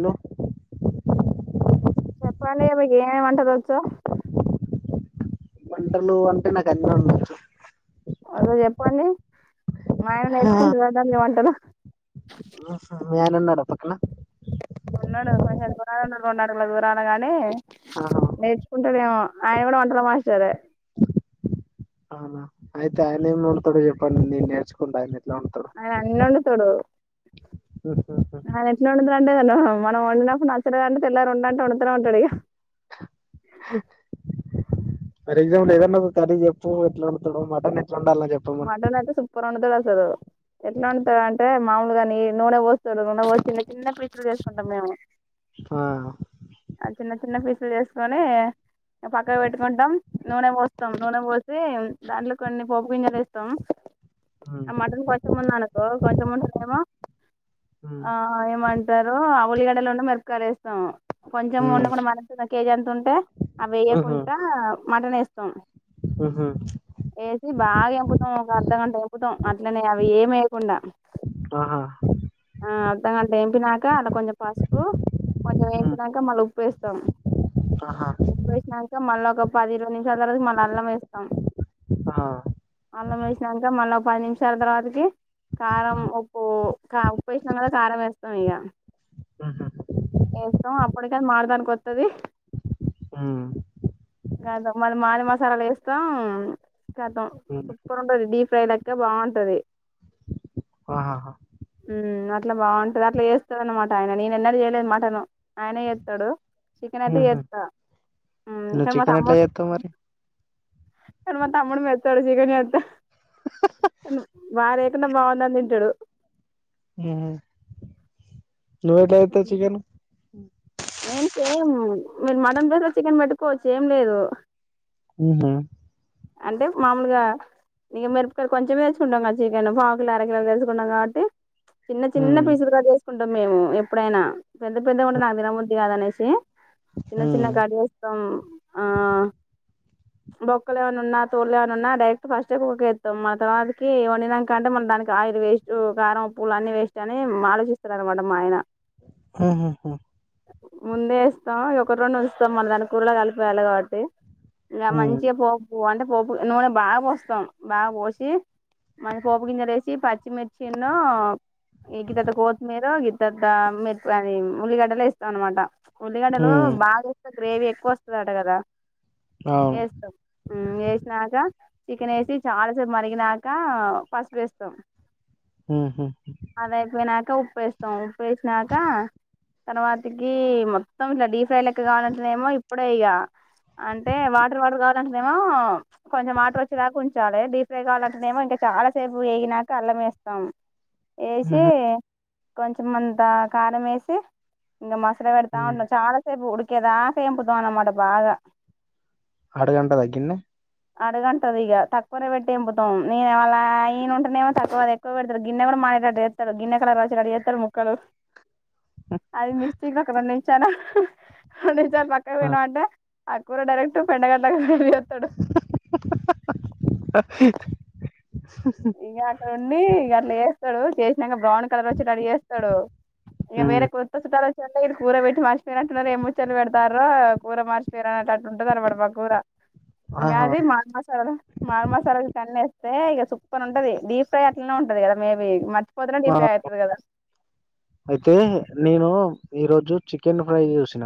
Hello చెప్పండి మీకి ఏం ఏం వంటలచో వంటలు అంటే నాకు అన్ని వుండొచ్చు అదో చెప్పండి మా ఆయన నేర్చకుంటడా దాన్ని వంటలు మీ ఆయన ఉన్నాడా పక్కనా ఉన్నాడు కొంచెం దూరంలో ఉన్నాడు రెండుడుల దూరానా గాని ఆహా నేర్చుకుంటాడేమో ఆయన కూడా వంటలు మాస్టర్ అవునా అయితే ఆయన ఏం అందుతాడో చెప్పండి నే నేర్చుకుంట ఆయన ఎట్లా వండుతాడో అ అన్నివొందుతాడు అది ఎట్లా ఉంటాద్ర అంటే తెలవదు మనం వన్ అండ్ హాఫ్ నచ్చలే అంటే తెల్లారు ఉండడాంటే వండుతునే ఉంటాడు ఇగ ఫర్ ఏదైనా కర్రీ చెప్పు ఎట్లా అమ్ముతాడు మటన్ ఎట్లా వండాలో చెప్పమను మటన్ అయితే సూపర్ అండుతాడు ఆ ఎట్లా వండుతాడు అంటే మాములుగా న నూనె పోస్తాడు నూనె పోస్తు కిన్న పీచలు చేసుకుంటాం మేము ఆ ఆ చిన్న చిన్న పీసులు చేసుకొని పక్కకు పెట్టుకుంటాం నూనె పోస్తాం నూనె పోసి దాంట్లో కొన్ని పోపు గింజలు వేస్త స్తాం హ్మ్ ఆ మటన్ కొంచెం ఉంది అనుకో కొంచెం ఉండ ఏమో హ్మ్ ఆ ఏమంటారు ఆ ఉల్లిగడ్డలు ఉండ మిరపకాయర వేస్తాం కొంచెం హ్మ్ ఉండకుండా మన కేజీ అంత ఉంటే అవి వెయ్యకుంటా మటన్ వేస్తాం ఉహు వేసి బాగా ఎం మ ఒక అర్ధగంట ఎంపుతాం అట్లనే అవి ఏం వేయకుండా ఆహా ఆ అర్ధగంట ఎంపినాక అలా కొంచెం పసుపు కొంచెం హ్మ్ వేంచినాక మళ్ళీ ఉప్పు వేస్తాం ఆహా ఉప్పు వేసినాక మళ్ళీ ఒక పది ఇరవై నిమిషాల తరవాకు మళ్ళీ అల్లం వేస్తాం ఆ అల్లం వేసినాక మళ్ళీ పది నిమిషాల తర్వాతకి కారం హ్మ్ ఉప్పు ఉప్పు వేసినా కారం వేస్తాం ఇక ఊహూ వేస్తాం అప్పటిక అ మాడడానికి వస్తది హ్మ్ గద మళ్ళీ మాది మసాలాలు వేస్తాం గతాం హ్మ్ సూపర్ ఉంటంది డీప్ ఫ్రై లక్క బాగుంటది ఆహాహా అట్లా బాగుంటది అట్లా చేస్తంది అనమాట ఆయన నేన ఎన్న చేయలేదు మటన్ ఆయన చేస్తాడు చికెన్ అయితే చేస్తా నవ్వు చికెన్ అట్ల చేతవ్ మరి ఇగ మ తమ్ముడు పెడతాడు ఇగ ని అంత వారేకుండా బాగుందని తింటాడు ఉ ఉ నవ్వుఎతే చికెన్ నేను సేమ్ మీరు మటన్ లేద చికెన్ పెట్టుకోవచ్చు ఏం లేదు ఉహు అంటే మామూలుగా ఇంగ మెరపకాయలు కొంచెం తెచ్చసుుకుంటాం కద చికెన్ పాకులు అరకిల తెచ్చుకుంటాం కాబట్టి చిన్న చిన్న హ్మ్ పీస్ కట్చే కుంటాం మేము ఎప్పుడైనా పెద్ద పెద్దగా ఉంటే నాకు తినబు కాద అనేసి చిన్న హ్మ్ చిన్న కార్యాస్తం ఆ బొక్కలు ఏమైన్నా ఉన్నా తోళ్ళలు ఏమైన్నా ఉన్నా డైరెక్ట్ ఫాస్ట్ కుక్కకిస్తాం మాన తర్వాతకి వంనాకంటే మనం దానికి ఆయిల్ వేస్ట్ కారం పూలు అన్నీ వేస్ట్ అని ఆలోచిస్తార అనమాట మా ఆయన ఉహు ముందే వేస్తాం ఒక రెండి ఉంచుతాం మన దాని కూరళ కలిపేయాలి కాబట్టి ఇగ హ్మ్. మంచింగ పో పు అంటే పోపు నూనె బాగా పోస్తాం బాగా పోసి మన పోపు గింజర వేసి పచ్చిమిర్చిన్నో ఇతద్ద కొత్తిమీర ఇద్ద మ అ ఉల్లిగడ్డలు వేస్త తనమాట ఉల్లిగడలు హ్మ్. బాగా రెయిని ఎక్కువ వస్తుందట కదా అవును. వేస్త ఉమ్ వేసినాక చికెన్ వేసి చాలాసేపు మరిగినక పసుపు వేస్తాం ఉమ్ హు పోపు వేస్తాం వేసినాక తర్వా తికి మొత్తం ఇట్లా డీప్ ఫ్రై లెక్క కావాలంటేనేమో ఇప్పుడే ఇగ అంటే వాటర్ వాటర్ కావాలంటేనేమో కొంచెం వాటర్ వచ్చేదాక ఉంచాలి డీ ఫ్రై కావాలంటనేమో ఇంకా చాలాసేపు వేగినాక అల్లం వేస్తాం ఏసి హుహు. కొంచెం అంతా కారం వేసి ఇంగ మసాల పెడుతా హ్మ్. చాలా సేపు ఉడి కదా ఆశయం పోదువానమాట బాగా అడుగంటదా గిన్నె అడుగంటది ఇగ తక్కువనే పెట్టి ఎంపుతాం నేను వా ఈయన ఉంటేనేమో తక్కువ ఎక్కువ పెడతాడు గిన్నె కూడా మాడేటటు చేస్తాడు గిన్నె కలర్ వచ్చేటట్టు చేస్తాడు ముక్కలు అది మిస్టేక్ ఒక రెండు నిమిషా అ పక్కకి ఆ! పోయినవ్ ఆట అకూర డైరక్ట్ పెండగడ్ ఇగ అట్ల ఉండి అట్ల చేస్తుండు వచ్చాడు చేసినకా బ్రౌన్ కలర్ వచ్చి రెడీ చేస్తాడు ఇగ వేరే హ్మ్. కొత్త చుట్టాలు వచ్చ ఇడ అంటే కూర పెట్టి మర్చపోయినట్టున్నారు ఏ ముచ్చలు పెడతారో కూర మచపోయినారా అట్టుంటుంది అన్నమాట మా కూర ఇగా ఆహా! అది మారు మసాలా మాారు మసాలాలు తన్నెస్త సే ఇక సుప్పు సూపర్ గా ఉంటుంది డీప్ ఫ్రై అట్లానే ఉంటుంది కదా మే బి [unintelligible] అయితే నేను ఈరోజు చి చికెన్ ఫ్రై చేసిన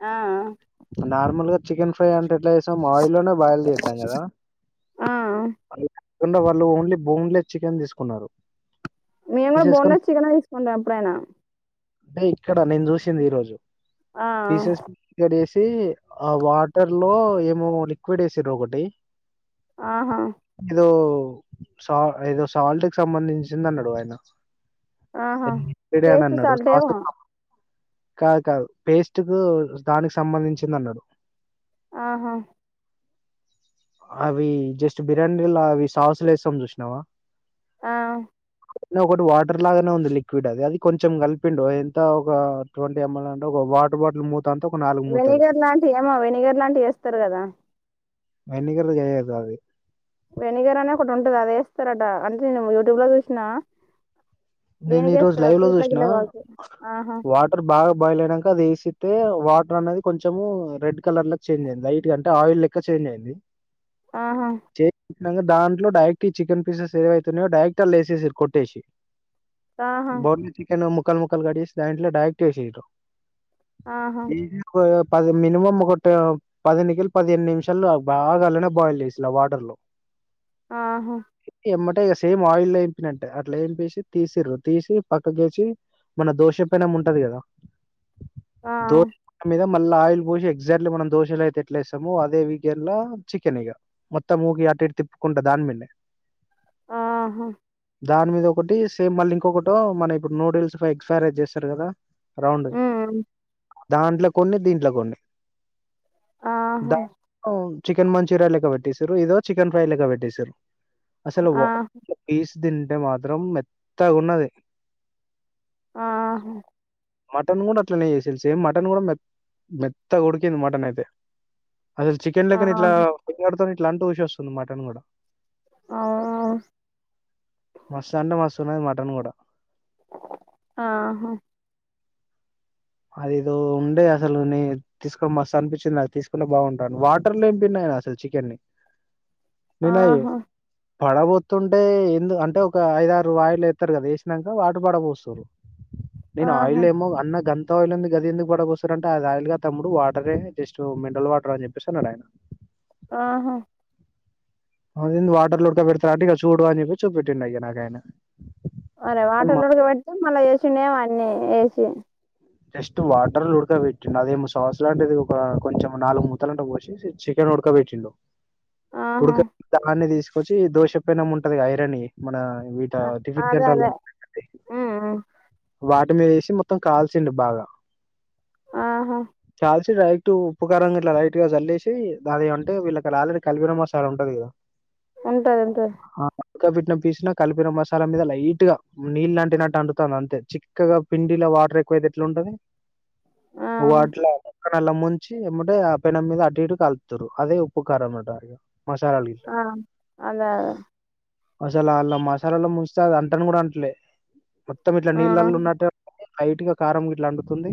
ఆ నార్మల్ గా చికెన్ ఫ్రై అంటె ఇట్లాసాం మాయిల్లోనే బాయల్ చేస్తాం కదా ఆ కుండా వాళ్ళు ఓన్లీ బోన్లెస్ చికెన్ తీసుకున్నారు మేము కూడా తీసేసుకొని బోన్లెస్ చికెన్ తీసుకుంటా ఎప్పుడైనా టే ఇక్కడ నేను చూసింది ఈ రోజు ఆఁ పొడి ఏసి ఆ వాటర్ లో ఏమో లిక్విడ్ ఏసిండ్రు ఒకటీ ఆహా జ్యో పో సాల్ ఏదో సాల్ట్ కి సంబంధించింది అన్నాడు ఆయన ఆహా [unintelligible] టేస్ట్ అన్నాడు సాల్ట్ ఏమో [unintelligible] కాదు కాదు పేస్ట్ కు దానికి సంబంధించింది అన్నారు ఆ హాఁ అవి జస్ట్ బిర్యానీలా అవి సాస్లు ఏస్తాం చూసినవా ఆ ఒకటి వాటర్ లాగానే ఉంది లిక్విడ్ అది, అది కొంచెం కలిపిండు ఎంత ఒక ట్వంటీ ఎమ్ ఎల్ అంటే ఒక వాటర్ బాటిల్ మూ వెనిగర్ లాంటివి ఏమో వెనిగర్ లాంటివి చేస్తారు కదా ఎన్నిగంట్లకి జరుగుతది వెనిగర్ అనీ ఒకటి ఉంటది అది ఏస్తారట అంటే నేను యూట్యూబ్ లో జూసినా నేను ఈ రోజు లైవ్ లో చూసిన ఆహా వాటర్ బాగా బాయిల్ అయనంక అది ఏస్ గితే వాటర్ అనేది కొంచెము రెడ్ కలర్ లో చేంజ్ అయింది లైట్ గా అంటే ఆయిల్ లెక్క చేంజ్ అయ్యింది. ఆహా ఇంగ దాంట్లో డైరెక్ట్ ఈ చికెన్ పీసెస్ ఏవైతే ఉన్నాయో డైరెక్ట్ గా అన్ లో యేసేసిర్రు కొట్టేసి ఆహా బోన్లీ చికెను ముక్కల్ ముక్కల్ కట్ చేసి దాంట్ డైరెక్ట్ వేసిండ్రు ఆహా ఈ కొ పది మినిమం ఒకటి పదినికిల్ పదిహేను నిమిషాలు బాగా ఆలనే బాయిల్ చేసిలా వాటర్ లో ఆహ ఎమ్మటే ఇగ సేమ్ ఆయిల్ ఎంపినట్టే అట్ల ఎంపేసి తీసిర్రు తీసి పక్క కేసి మన దోషం పెనం ఉంటది కదా ఆ దో మీద మళ్ళా ఆయిల్ పోసి ఎగ్జాక్ట్లీ మనం దోశలు అయితే ఎట్లే ఏస్తామో అదే వికెన్ల చికెన్ ఇగ మొత్తం మూగి అటు ఇటు తిప్పుకుంటా దాని మీదే ఆహా దాని మీద ఒకటి సేమ్ మళ్ళీ ఇంకొకటో మన ఇప్పుడు నూడిల్స్ ఎగ్ ఫ్రైడ్ రైస్ చేస్తారు కదా రౌండ్ ఉమ్ దాంట్లో కొన్ని దీంట్లో కొన్ని ద ఆహా ఆ చికెన్ మంచూరియా లెక్క పెట్టశరు ఏదో చికెన్ ఫ్రై లెక్క పెట్టసరు అసలు వా ఆహ్ యిస్ తింటే మాత్రం మెత్ త్తగున్నది ఆహా మటన్ కూడా అట్లనే చేసిర్రు. సేమ్ మటన్ కూడా మెత్ మెత్తగుడికింది మటన్ అయితే. అసల్ చికెన్ ఆహ్ లెక్కనె ఇట్లా [unintelligible] పడుతన్నాయి. ఇట్లంటె ఊషోస్తుంది మటన్ కూడా. అవును మస్తంటె మస్ తున్నది మటన్ కూడా. ఆహా అదేదో ఉండే అస్సలు నీ తీసుకో మస్తు అనిపించింది. అది తీసుకున్నా బాగుంటాను. వాటర్లో ఏం తిన్నాయన అసలు చికెన్ని. ఆహో పడబొతుంటే ఏందో అంటే, ఒక ఐదారు వాయిలు ఎత్తారు కదా! ఏసినంక వాటరు పడబోస్తురు. నేను ఆహా ఆయిల్ ఏమో అన్న గన్ త ఉన్నింది గది ఎందుకు పడబోస్తారంటే, అది ఆయిల్గాద్ తమ్ముడు వాటరే జస్ట్ మినరల్ వాటర్ అని చెప్పేస్ అనన్నాడు ఆయన. ఆహా అదేంది వాటర్ లో ఉడకబెడతారా అంటే, ఇగ చూడు అని చెప్పి చూపెట్టిండు ఇగ నాక్ ఆయన. అరె వాటర్ లో ఉడకబెట్టుకొని, మల్ల చేస్ తినేవన్నీ ఏసి జస్ట్ వాటర్ లొ ఉడకబెట్టిండు. అదేమో సాస్ లాంటిది ఒక కొంచెం నాలుగు మూతలుంట పోసేసి చికెన్ ఉడకబెట్టిండు. ఆహా ఉడుక దాన్ని తీస్ వచ్చి దోష పెనం ఉంటది కదా ఐరన్వీ. మన బైట ఆ, టిఫిన్ అదే సెంటర్ లొ అదే ఉంటాయి చూడి ఉమ్ ఉమ్. వాటిలో వేసి మొత్తం కాల్చిండు బాగా. ఆహా ట్టుగా ఇటు ఉప్పు కారం గిట్ల లైట్గా చల్లేసి, దాదిగ అంటే, వీళ్ళకిడ ఆల్రెడీ కలిపిన మాసాల ఉంటది కదా! ఉంటది. ఉంటది. ఉక్కపెట్న పీసినా కలిపిన మసాలా మీద లైట్ గా నీళ్లంటినట్టు అంటుతాంది అంతే. చిక్కగా పిండిలో వాటర్ ఎక్కువైతే ఎట్లుంటది? ఆ వాటిలాగ అక్కనల ముంచి, ఎంబటే ఆ పెనం మీద అటు ఇటు కాలుతుర్రు. అదే ఉప్పుకారం అట ఇగ. మసాలాలు ఆ అదే అ మసాలా అల్లా మసాలాల్లో ముంచితే, అది అంటను కూడా అంటలే మొత్తం. ఇట్లా ఉమ్ నీళ్ళల్లో ఉన్నట్టె లైట్ గా కారం గిట్లా అంటుతుంది.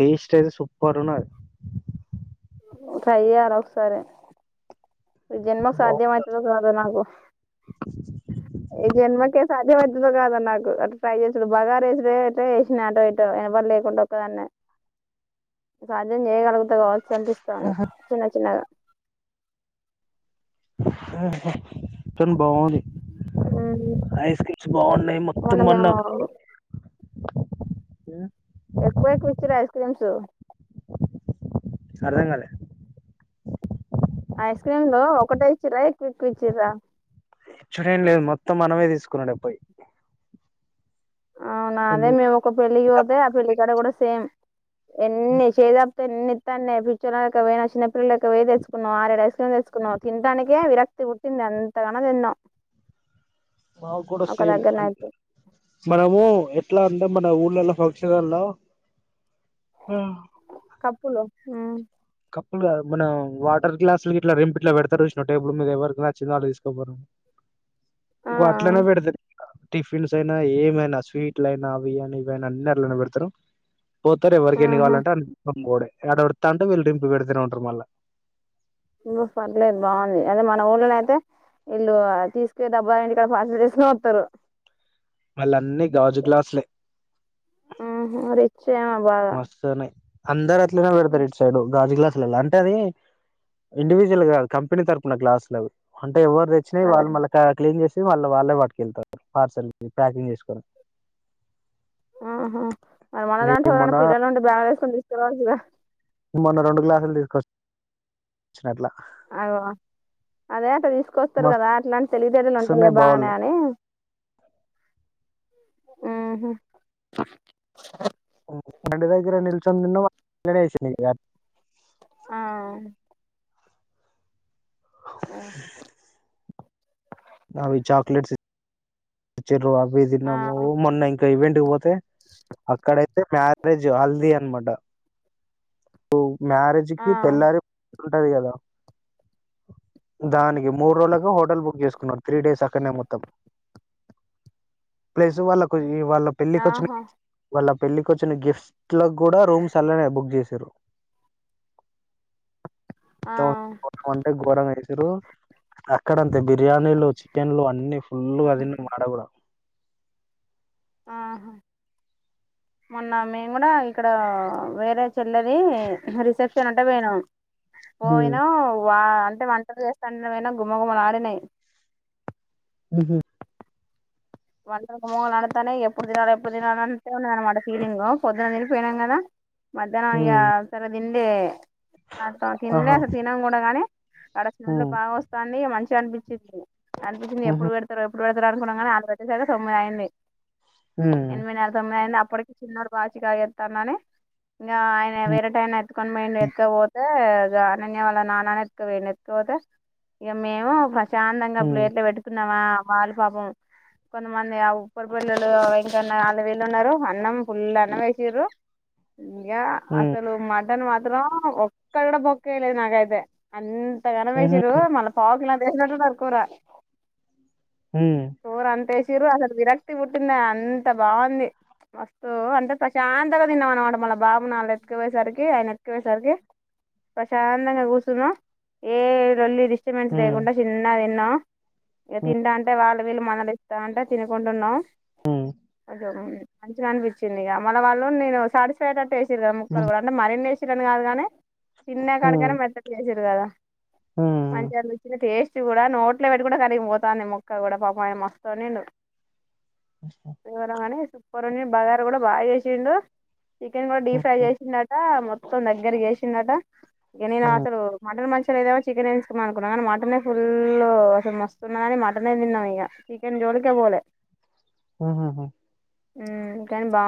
టేస్ట్ అయితే, సూపర్ ఉన్నది. ట్రై చేయరా ఒకసారి. ఈ జన్మకు బావు సాధ్యమైతదో కాదో నాకు. తుందో కాదొ నాకు అట్ల ట్రై చేసుడు, బాగారా రైసు కె ఎట్లనో చేసినా ఆటో ఇటో ఎవ్వర్ లేకుండా ఒక్కదాన్నే. సాధ్యం చేయగలుగు ఎంత కావచ్చు అనిపిస్తాంది. చిన్న చిన్నగా కానీ బాగుంది ఐస్ క్రీమ్స్ బాగున్నాయి మొత్తం మొన్న ఉమ్ క్క్రీమ్స్ అర్ధంగాలే ఐస్ క్రీమ్సు ఒకటే ఇచ్చిర్ర ఎక్కువ ఎక్కువ ఇచ్చరా ఇచ్చుడేం లేదు మొత్తం మనమే తీసుకున్నాడే పోయి అవునా అదే కొన్ని మేము ఒక పెళ్ళకి పోతే డబ్బు ఆ పెళ్లి కాడా కూడా సేమ్ ఎన్ని చేద్ ఎన్ని ఇత్తాండే పిచ్చి దానిలెక్క పోయిన చిన్న పల్ల లేక పోయి తెచ్చుకున్నా ఆరేడు ఐస్ క్రీమ్ తెచ్చుకున్నా తినడానికే విరక్తి పుట్టింది అంతగానం తిన మకుడా సేమ్ అంతే మనము ఎట్లా అంటే మన ఊళ్ళలో ఫంక్షన్అన్లా కప్పులు ఉమ్ కప్పుల్ కాదు మన వాటర్ గ్లాసు గిట్ల రెంపు గిట్ల పెడతారు చూసినవా టేబుల్ మీద ఎవరికీ నచ్చింది వాడు తీసుకపోరాని ఆ గొట్లనే పెడతది టిఫిన్స్ ఐన ఏమైనా స్వీట్లైన బిర్యాని అయిన అని అందులోనే పెడతారు పోతారు ఎవరికి ఎన్ని ఆహా కావాలంటే తీసుకొని పోవుడే వాడు ఓరుతటే వీళ్ళు డిం వేటు జీరో అంటారు మల్ల ఉమ్మ్ పర్దలేదు బాగుంది అదే మన ఊర్లో అయితే ఇళ్ళు తీసుకునే డబ్బా కాకా ఫాస్ట్ తీసుకొని వస్తారు మళ్ళ అన్ని గాజు గ్లాసులే చేమ బాగా మస్తున్నాయి అందరు అందరూ పెడుతారు ఇటు సైడ్ గాజు గ్లాస్ అంటే అది ఇండివిజువల్ కా కంపెనీ తరఫున గ్లాసులు అవి అంటే ఎవరు తెచ్చినవి అదే వాళ్ళు మల్ల క్లీన్ చేసి వాళ్లు వాళ్లే పట్టుకెళ్తారు పార్సల్ ప్యాకింగ్ చేసుకోని ఆహ మరి మనదా అంటే ఎవరయినా మొన్న పిల్లనుండి బాగ్ వేసుకొని తీస్ [unintelligible] మొన్న రెండు గ్లాసులు తీసుకొచ్చినట్లు కాదా అదే అట్లా తి మస్తు తీసుకొస్తారు కదా అట్లాంటి తెలివితేటలు ఉంటాయి వస్తున్నాయి బానే బావులు అని ఆహా [inaudible] ఆ ఆ చ్చ వగు ఆ దిినము మొన్న ఇం ఇగ ఈవెంట్ పోతే అక్కడైతే మ్యారేజ్ హల్దీ అన్నమాట ఆ మ్యారేజ్కి తెల్లారి ఉంటది కదా దానికి మూడు రోజులలకు హోటల్ బుక్ చేసుకున్నాడు త్రీ డేస్ అక్కనే మొత్తం ప్లేస్ వాళ్ళకు ఈ వాళ్ళ పెళ్ళికి వచ్చిన ఆహా వాళ్ళ పెళ్ళకి వచ్చిన గెస్ట్ల కూడా రూమ్స్ అలానే బుక్ చేసారు ఆ ంట గోరంగైసురు అక్కడంతే బిర్యానీలు చికెన్లు అన్నిీ ఫుల్ అది కడపుడ ఆహా మొన్న మేము కూడా ఇక్కడ వేరే చెల్లది రిసెప్షన్ అంటే పోేనాం ఉమ్ పోయినో వా అంటే వంటలు చేస్తండమైనా గుమ్మగుమలాడినాయి ఆహ వాళ్లకు మగ అన్నంటానే ఎప్పుడు తినాల ఎప్పుడు తినాల అంటన మామాట ఫీలింగ్ పద్దున తిని పోయినాంగాద మధ్యాహ్నం ఇక ఉమ్ ఆసరా ఇందే అసలు తినలే ఆహా అసలు తినం కూడా కానీ ఆడా స్మెల్ ఉమ్ బాగా వస్తంది మంచి చానపించట్లె అనిపించింది ఎప్పుడు హుహు. పెడతారు ఎప్పుడు పెడతారు కునం గాని‌ ఆ వచ్చే సారి తొమ్మిది అయింది హ్మ్. ఎనిమిదిన్నర తొమ్మిది అయింది అప్ అప్పటికి చిన్నొడు వాచి కాక్ చెత్తన్నానే ఇ అయన వేరటైన కొని వేడి ఎకపోతే ఇ అనన్య వాళ్ళ నాన్ననే ఎత్తుకపోయిందు ఎత్తుకపోతే ఇక మేము చానంగా హ్మ్. ప్లేట్లో పెట్టుకొని నామా వాళ్ళు పాపం కొంతమంది ఆ ఉప్పరి పల్లోలు వెంకన్న వాళ్ళ వీళ్లు ఉన్నారు అన్నం ఫుల్ అన్నం వేసింద్రు ఇంకా హ్మ్. అసలు మా టన్ మాత్రం ఒక్కడు కూడా బొక్క వేయలేదు నాకైతే అ గనం వెసిర్రు హుహుహు. మళ్ళీ పావుకి వేసినట్టు ఉన్నారు కూర హ్మ్. కూర అన్ వేసిండ్రు అసలు విరక్తి పుట్టింది అంత బాగుంది వస్తు అంటే ప్రశాంతంగా తిన్నాం అనమాట మళ్ళ బాబును వాళ్ళు ఎత్తుకుపోయేసరికి ఆయన ఎతుకుపోయేసరికి ప్రశాంతంగా కూర్చున్నా ఏ లొల్లి డిస్ట్రబెన్స్ హ్మ్. లేకుండా చిన్న గా తిన్నా నా ఇక హ్మ్. తింటా అంటే వాళ్ళ మనలే అంటే తినకుంటున్నాం హ్మ్. మంచిగా అనిపించింది ఇక మళ్ళ వాళ్ళు నేను సాటిస్ఫైడ్ట్టే మరి ముక్కలు కూడాంట మరి చినర్ కాదుగానే చిన్న హుహు. కడకనే మెత్తగా చేసిండ్రు కదా హ్మ్. మంచిగా అనిపించింది టేస్ట్ కూడా నోట్లో పెట్టు కూడా కలిగిపోతుంది ముక్క కూడా పాపం ఆయమ పన్నెండు ఇవ్వాలమనేసి పూరినీ బాగారా కూడా బాగా చేసిండు చికెన్ కూడా డీప్ ఫ్రై హుహు. చేసిందట మొత్తం తో దగ్గర జేషిండాటా ఇగ నేను హ్మ్. అసలు మటన్ మంచి అసలు నేనోమో చికెన్ వేసుకుందాం అనుకున్నా కానీ మటనే ఫుల్ అసలు మస్తున్నదని మటనే తిన్నాం ఇగ చికెన్ జోలికే పోలే ఆహ హ మ్ కానీ బా